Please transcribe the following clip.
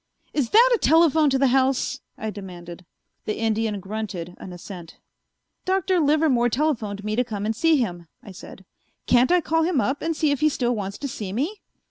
"Is that a telephone to the house?" I demanded. The Indian grunted an assent. "Dr. Livermore telephoned me to come and see him," I said. "Can't I call him up and see if he still wants to see me?"